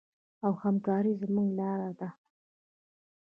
او همکاري زموږ لاره ده.